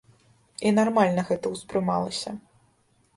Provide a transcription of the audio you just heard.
І нармальна гэта ўспрымалася.